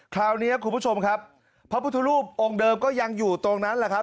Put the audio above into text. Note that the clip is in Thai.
คราวนี้คุณผู้ชมครับพระพุทธรูปองค์เดิมก็ยังอยู่ตรงนั้นแหละครับ